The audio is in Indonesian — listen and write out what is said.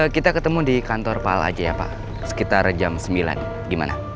kita ketemu di kantor pal aja ya pak sekitar jam sembilan gimana